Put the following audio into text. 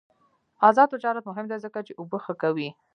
آزاد تجارت مهم دی ځکه چې اوبه ښه کوي.